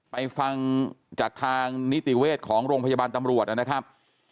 ไปฟังจากทางนิติเวชของโรงพยาบาลตำรวจนะครับ